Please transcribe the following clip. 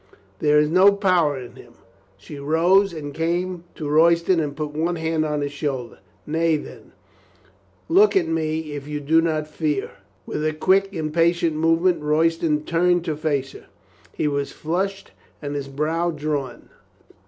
There is no power in him." She rose and came to Royston and put one hand on his shoulder. "Nay, then, look at me if you do not fear." With a quick, im patient movement Royston turned to face her. He was flushed and his brow drawn.